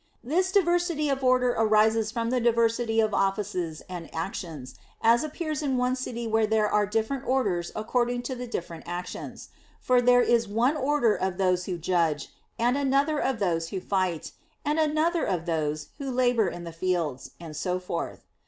This diversity of order arises from the diversity of offices and actions, as appears in one city where there are different orders according to the different actions; for there is one order of those who judge, and another of those who fight, and another of those who labor in the fields, and so forth.